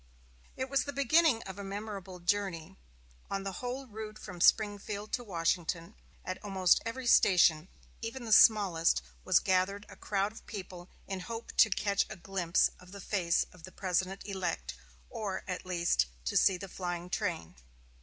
It was the beginning of a memorable journey. On the whole route from Springfield to Washington, at almost every station, even the smallest, was gathered a crowd of people in hope to catch a glimpse of the face of the President elect, or, at least, to see the flying train.